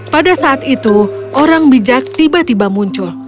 pada saat itu orang bijak tiba tiba muncul